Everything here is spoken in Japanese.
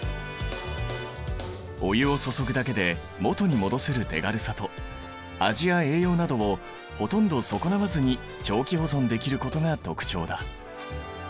お湯を注ぐだけで元に戻せる手軽さと味や栄養などをほとんど損なわずに長期保存できることが特徴だ。